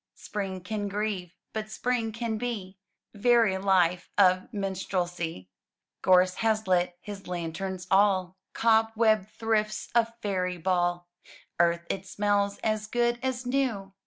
Spring can grieve, but Spring can be Very life of minstrelsy! Gorse has lit his lanterns all, Cob webbed thrift's a fairy ball. Earth it smells as good as new.